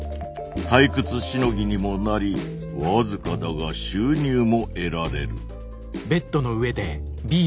退屈しのぎにもなり僅かだが収入も得られる。